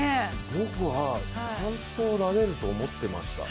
僕は３投、投げると思ってました。